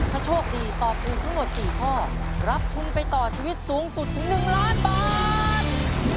ถ้าโชคดีตอบถูกทั้งหมด๔ข้อรับทุนไปต่อชีวิตสูงสุดถึง๑ล้านบาท